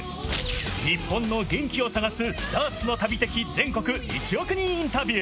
日本の元気を探すダーツの旅的全国１億人インタビュー。